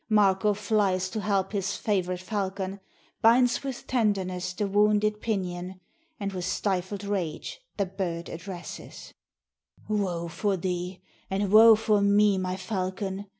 Marko flies to help his favorite falcon, Binds with tenderness the wounded pinion, And with stifled rage the bird addresses : "Woe for thee, and woe for me, my falcon!